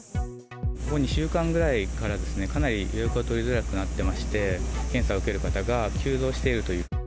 ここ２週間ぐらいからですね、かなり予約が取りづらくなってまして、検査を受ける方が急増しているという。